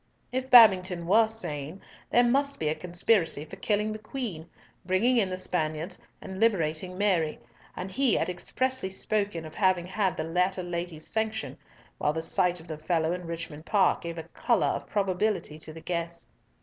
If Babington were sane, there must be a conspiracy for killing the Queen, bringing in the Spaniards and liberating Mary, and he had expressly spoken of having had the latter lady's sanction, while the sight of the fellow in Richmond Park gave a colour of probability to the guess.